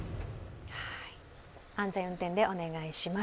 安全運転でお願いします。